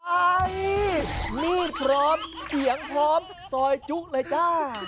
ไอ้นี่พร้อมเสียงพร้อมซอยจุเลยจ้า